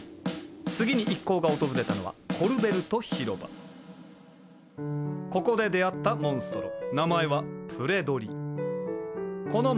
次に一行が訪れたのはここで出会ったモンストロ。